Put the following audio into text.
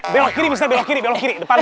belok kiri misalnya belok kiri belok kiri depan